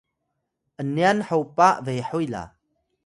’nyan hopa behuy la